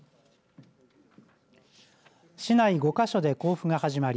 市内５か所で交付が始まり